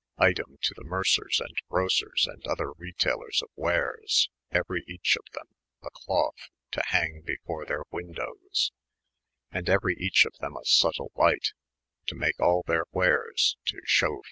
Item to the Mercers & Grocers, and other reteylers of wares, euerich of them, a clothe, to hange before their wyndowes :& eueryche of them a subtle light, to make all their wares to shew fyne.